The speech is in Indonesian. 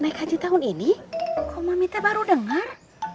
naik haji tahun ini kok mami teh baru dengar